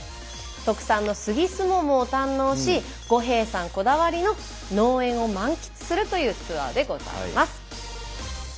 特産の杉すももを堪能し五兵衛さんこだわりの農園を満喫するというツアーでございます。